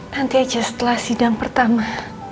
nanti aja setelah sidang pertama